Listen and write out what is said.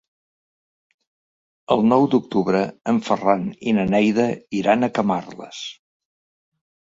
El nou d'octubre en Ferran i na Neida iran a Camarles.